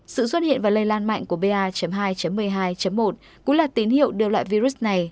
sự xuất hiện và lây lan mạnh của ba hai một mươi hai một cũng là tín hiệu đưa loại virus này